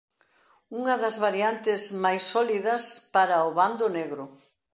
Unha das variantes máis sólidas para o bando negro.